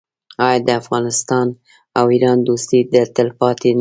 آیا د افغانستان او ایران دوستي دې تل نه وي؟